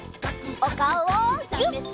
おかおをギュッ！